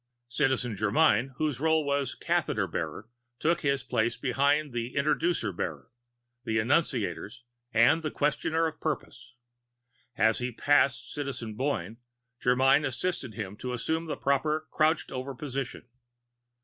Citizen Germyn, whose role was Catheter Bearer, took his place behind the Introducer Bearer, the Annunciators and the Questioner of Purpose. As he passed Citizen Boyne, Germyn assisted him to assume the proper crouched over position.